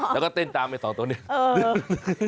แล้วก็เต้นตามไปสองตัวนี้